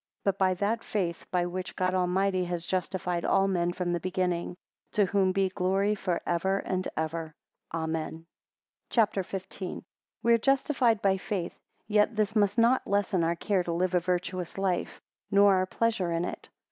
21 But by that faith, by which God Almighty has justified all men from the beginning; to whom be glory for ever and ever, Amen. CHAPTER XV. We are justified by faith; yet this must not lessen our care to live a virtuous life, nor our pleasure in it.